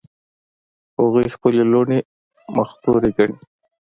هغوی خپلې لوڼې بختوری ګڼي